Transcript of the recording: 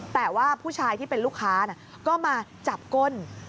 แต่ว่าผู้ชายที่เป็นลูกค้าก็มาจับก้น